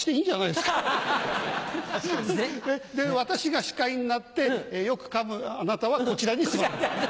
で私が司会になってよく噛むあなたはこちらに座る。